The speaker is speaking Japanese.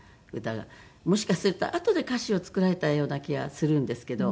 もしかするとあとで歌詞を作られたような気はするんですけど。